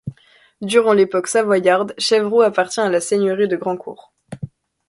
Durant l'époque savoyarde, Chevroux appartient à la seigneurie de Grandcour.